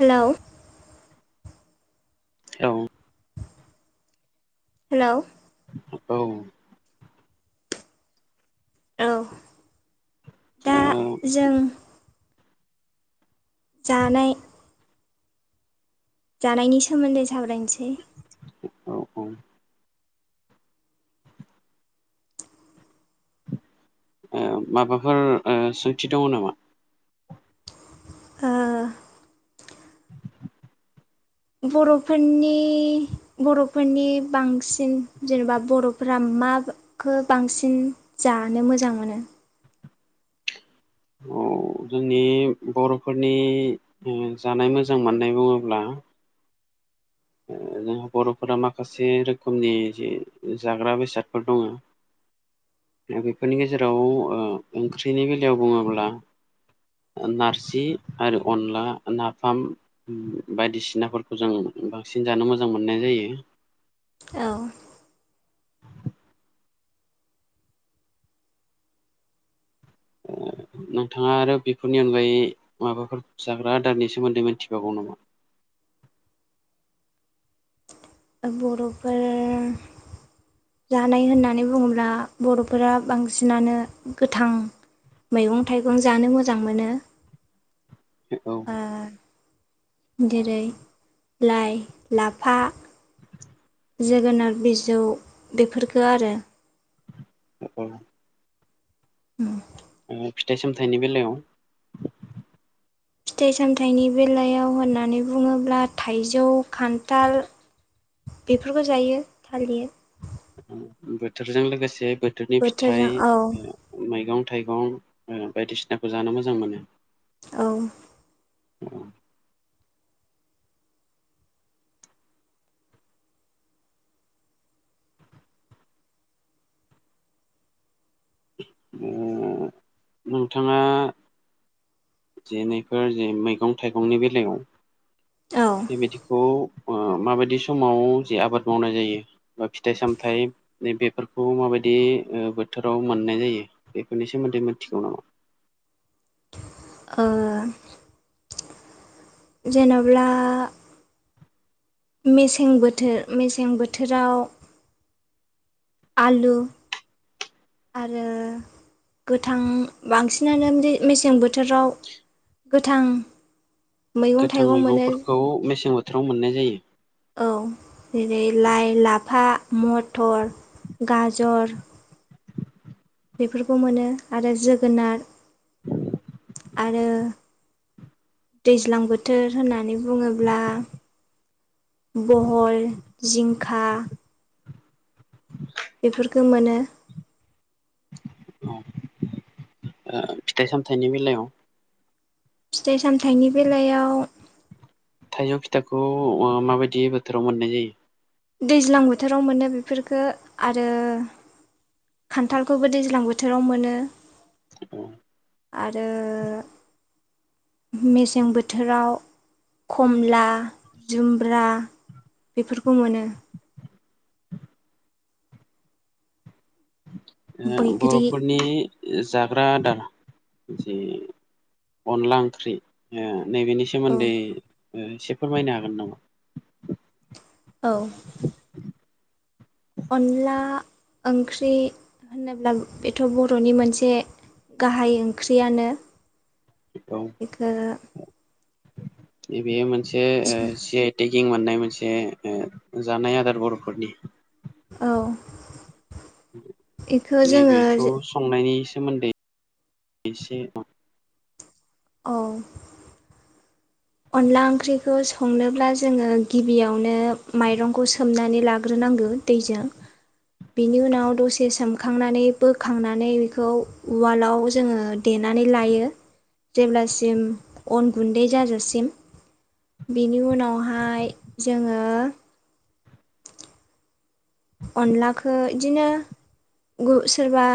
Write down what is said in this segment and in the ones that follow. Hello औ hello औ औ दा औ जों जानाय जानायनि सोमोन्दै साबरायनोसै औ औ माबाफोर सोंथि दङ नामा ओ बर'फोरनि बर'फोरनि बांसिन जेनेबा बर'फोरा मा खौ बांसिन जानो मोजां मोनो औ जोंनि बर'फोरनि जानाय मोजां मोननाय बुङोब्ला जोंहा बर'फोरा माखासे रोखोमनि जि जाग्रा बेसादफोर दङ [inaudible] दा बेफोरनि गेजेराव ओंख्रिनि बेलायाव बुङोब्ला नारजि आरो अनला नाफाम बायदिसिनाफोरखौ जों बांसिन जानो मोजां मोननाय जायो औ ओ नोंथाङा आरो बेफोरनि अनगायै माबाफोर जाग्रा आदारनि सोमोन्दै मोनथिबावगौ नामा? बर'फोर जानाय होननानै बुङोब्ला बर'फोरा बांसिनानो गोथां। मैगं थाइगं जानो मोजां मोनो। औ ओ जेरै लाइ लाफा। जोगोनार बिजौ बेफोरफोरखो आरो। औ औ [inaudible] ओ फिथाइ सामथाइनि बेलायाव फिथाइ सामथाइनि बेलायाव होननानै बुङोब्ला थाइजौ खान्थाल। बेफोरबो जायो थालिर। बोथोरजों लोगोसे बोथोरनि बोथोरजों फिथाइ। औ ओ मैगं थाइगं ओ बायदिसिनाखौ जानो मोजां मोनो। औ। अ' नोंथाङा जे नैफोर जे मैगं थाइगंनि बेलायाव औ बेबायदिखौ ओ माबायदि समाव जे आबाद मावनाय जायो बा फिथाइ सामथाइ। नै बेफोरखौ माबायदि ओ बोथोराव मोननाय जायो बेफोरनि सोमोन्दै मोनथिगौ नामा? ओ जेनोब्ला मेसें बोथोर मेसें बोथोराव आलु आरो गोथां बांसिनानो मे मेसें बोथोराव गोथां। मैगं गोथां थाइगं मोनो मैगंफोरखौ मेसें बोथोराव मोननाय जायो। औ जेरै लाइ लाफा मथर गाजर। बेफोरखौ मोनो आरो जोगोनार। आरो दैज्लां बोथोर होननानै बुङोब्ला। बहल जिंखा। बेफोरखो मोनो। ओ फिथाइ सामथाइनि बेलायाव? फिथाइ सामथाइनि बेलायाव थाइजौ फिथाइखौ ओ माबायदि बोथोराव मोननाय जायो? दैज्लां बोथोराव मोनो बेफोरफोरखो आरो खान्थालखौबो दैज्लां बोथोराव मोनो। औ आरो मेसें बोथोराव खमला जुमब्रा बेफोरखौ मोनो। ओ बैग्रि बर'फोरनि जे जाग्रा आदार जे अनला ओंख्रि। ओ नैबेनि औ सोमोन्दै एसे फोरमायनो हागोन नामा? औ अनला ओंख्रि होनोब्ला बेथ' बर'नि मोनसे गाहाय ओंख्रियानो औ बेखो जे बेयो मोनसे ओ सि आइ टेकिं मोननाय मोनसे ओ जानाय आदार बर'फोरनि। औ एखो जोङो नैबेखौ संनायनि सोमोन्दै एसे औ। अनला ओंख्रिखौ संनोब्ला जोङो गिबियावनो माइरंखौ सोमनानै लाग्रोनांगोन। दैजों। बिनि उनाव दसे सोमखांनानै बोखांनानै बेखौ उवालाव जोङो देनानै लायो। जेब्लासिम अन गुन्दै जाजासि म। बिनि उनावहाय जोङो अनलाखो इदिनो गु सोरबा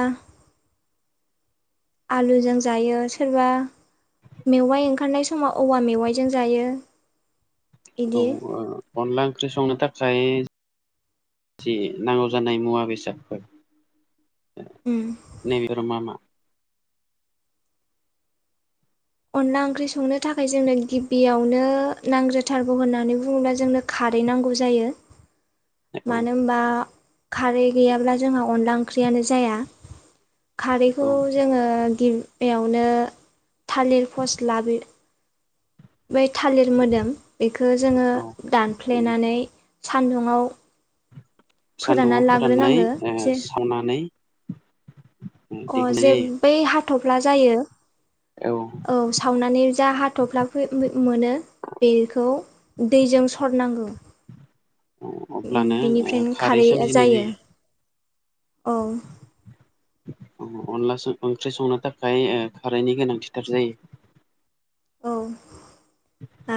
आलुजों जायो सोरबा मेवाइ ओंखारनाय समाव औवा मेवाइजों जायो। औ ओ बिदि अनला ओंख्रि संनो थाखाय जि नांगौ जानाय मुवा बेसादफोर नैबेफोर मा मा? अनला ओंख्रि संनो थाखाय जोंनो गिबियावनो नांजथारगौ होननानै बुङोब्ला जोंनो खारै नांगौ जायो। औ मानो होनबा खारै गैयाब्ला जोंहा अनला ओंख्रियानो जाया। खारैखौ औ जोङो गिबियावनो थालिर फस्ला बि बै थालिर मोदोम बेखौ जोङो औ दानफ्लेनानै सान्दुंआव सान्दुंआव फोराननाय ओ जे सावनानै। अ जे दिहुननाय बै हाथ'फ्ला जायो औ सावनानै जा हाथ'फ्ला फो मो-मोनो। बेखौ दैजों सरनांगौ। उम अब्लानो ओ बिनिफ्रायनो खारै खारैआ सोमजिनाय जायो औ। अ अनला स ओंख्रि संनो थाखाय ओ खारैनि गोनांथिथार जायो। औ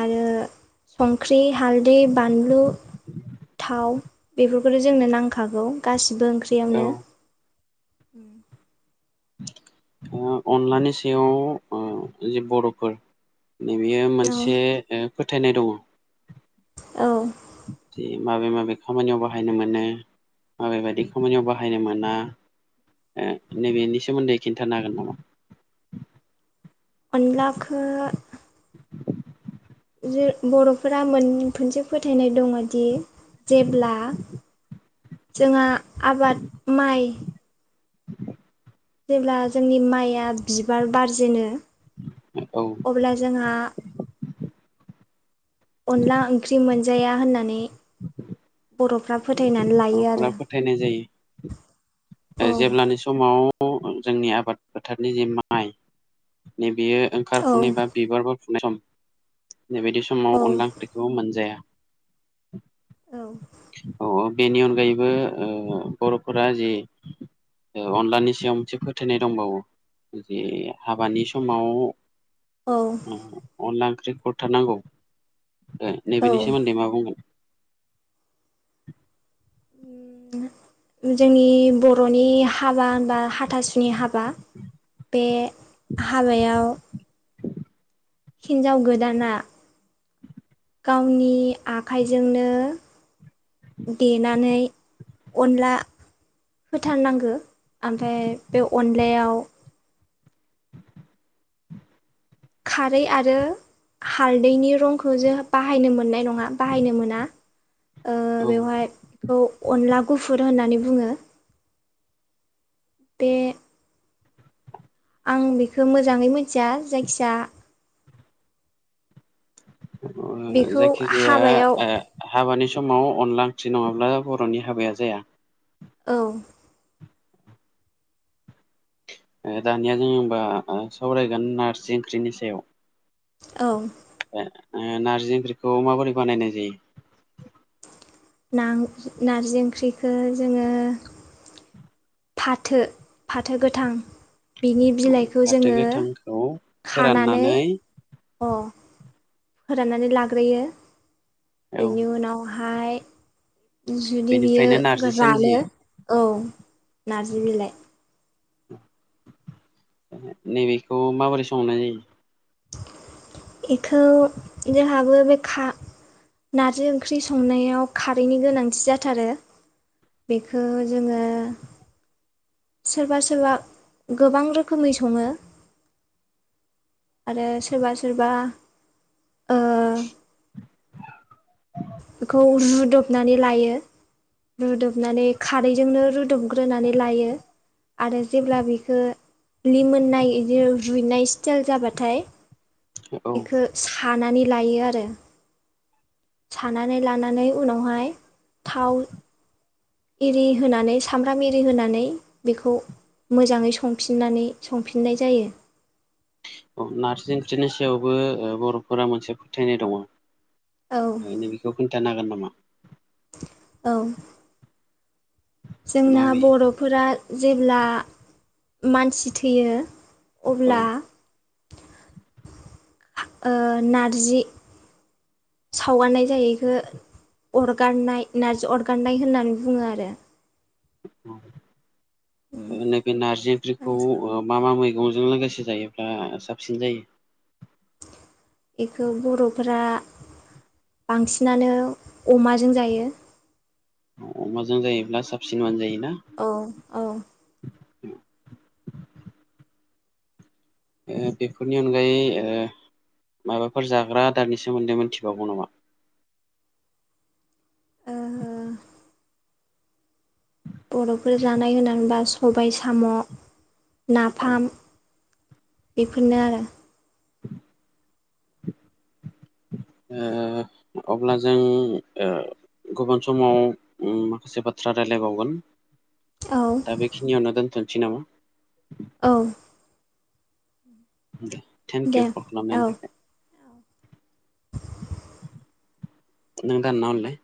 आरो संख्रि, हालदै, बानलु थाव बेफोरखौथ' जोंनो नांखागौ गासिबो औ ओंख्रियावनो। उम। ओ अनलानि सायाव ओ जे बर'फोर नैबेयो औ मोनसे ओ फोथायनाय दङ'। औ। जि माबे माबे खामानियाव बाहायनो मोनो। माबे बायदि खामानियाव बाहायनो मोना ओ नैबेनि सोमोन्दै खिन्थानो हागोन नामा? अनलाखो जो बर'फोरा मोनसे फोथायनाय दङ'दि जेब्ला जोंहा आबाद माइ जेब्ला जोंनि माइया बिबार बारजेनो औ। अब्ला जोंहा अनला ओंख्रि मोनजाया होननानै बर'फ्रा फोथायनानै लायो न'खरा आरो। फोथायनाय जायो ओ औ जेब्लानि समाव जोंनि आबाद फोथारनि जे माइ नैबेयो औ ओंखारफुनाय बा बिबारबो फुनाय सम बेबायदि समाव औ अनला ओंख्रिखौ मोनजाया। औ औ औ। बेनि अनगायैबो ओ बर'फोरा जि ओ अनलानि सायाव मोनसे फोथायनाय दंबावो। जे हाबानि समाव औ ओ अनला ओंख्रि खरथार नांगौ। ओ नैबेनि औ सोमोन्दै मा बुंगोन? [inaudible] जोंनि बर'नि हाबा होनबा हाथासुनि हाबा। बे हाबायाव हिन्जाव गोदाना गावनि आखाइजोंनो देनानै अनला होथारनांगौ ओमफ्राय बे अनलायाव [inaudible] खारै आरो हालदैनि रंखौ जों बाहायनो मोननाय नङा बाहायनो मोना औ बेवहाय बेखौ अनला गुफुर होननानै बुङो। बेे आं बेखौ मोजाङै मिथिया जायखिजाया बेखौ जायखिजाया हाबायाव हाबानि समाव अनला ओंख्रि नङाब्ला बर'नि हाबाया जाया। औ दानिया जोंबा सावरायगोन नारजि ओंख्रिनि सायाव औ नारजि ओंख्रिखौ माबोरै बानायनाय जायो? नारजि ओंख्रिखौ जोङो फाथो फाथो गोथां बिनि औ बिलाइखौ फाथो जोङो गोथांखौ खानानै फोराननानै अ फोराननानै लाग्रोयो। औ बेनि उनावहाय जुदि बेनिफ्रायनो बियो नारजि रानो सोमजियो औ नारजि बिलाइ नैबेखौ माबोरै सोंहरनाय जायो बेखौ जोंहाबो बे खा नारजि ओंख्रि संनायाव खारैनि गोनांथि जाथारो। बेखौ जोङो सोरबा सोरबा गोबां रोखोमै सङो। आरो सोरबा सोरबा ओ [inaudible] बेखौ रुदबनानै लायो। रुदबनानै खारैजोंनो रुदोबग्रोनानै लायो। आरो जेब्ला बेखौ लि मोननाय बिदि रुइनाय सिटेल जाबाथाय औ बेखौ सानानै लायो आरो। सानानै लानानै उनावहाय थाव एरि होनानै सामब्राम एरि होनानै बेखौ मोजाङै संफिननानै संफिननाय जायो। औ नार्सि ओट्रिनि सायावबो बर'फोरा मोनसे फोथायनाय दङ। औ बेखौ खोन्थानो हागोन नामा? औ जोंना माबे बर'फोरा जेब्ला मानसि थैयो औ अब्ला नारजि सावगारनाय जायो इखो अरगारनाय नारजि अरगारनाय होननानै बुङो आरो। नैबे नारजि ओंख्रिखौ मा मा मैगंजों लोगोसे जायोब्ला साबसिन जायो? बेखौ बर'फोरा बांसिनानो अमाजों जायो। अमाजों जायोब्ला साबसिन मोनजायोना? औ औ ओ बेफोरनि अनगायै ओ माबाफोर जाग्रा आदारनि सोमोन्दै मोनथिबावगौ नामा? बर'फोर जानाय होननानैबा सबाय साम' औ ओ नाफाम बेफोरनो आरो ओ अब्ला जों ओ गुबुन समाव माखासे बाथ्रा रायलायबावगोन औ दा बेखिनियावनो दोन्थ'नोसै नामा औ दे थेंक इउ दे औ [unintelligible] नों दानना हरलाय